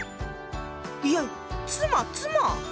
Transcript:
いや妻妻！